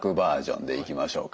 標準でいきましょうか。